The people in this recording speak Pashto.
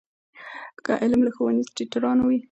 که علم له ښوونه ټیټرانو وي، نو پوهه ترلاسه کول آسانه دی.